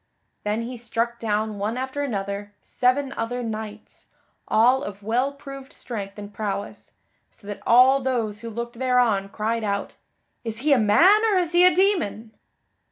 Then he struck down one after another, seven other knights, all of well proved strength and prowess, so that all those who looked thereon cried out, "Is he a man or is he a demon?"